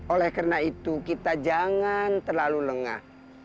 oleh karena itu kita jangan terlalu lengah